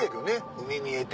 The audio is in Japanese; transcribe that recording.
海見えて。